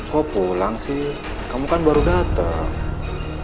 kok pulang sih kamu kan baru datang